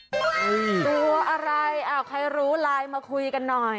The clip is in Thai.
ตัวอะไรอ้าวใครรู้ไลน์มาคุยกันหน่อย